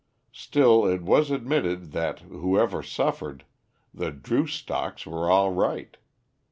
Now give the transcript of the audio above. Still it was admitted that, whoever suffered, the Druce stocks were all right.